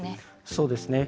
そうですね。